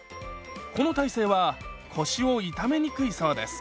この体勢は腰を痛めにくいそうです。